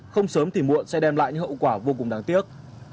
không sớm tìm muộn sẽ đem lại những hậu quả vô cùng đáng tiếc